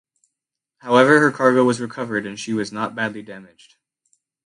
However her cargo was recovered and she was not badly damaged.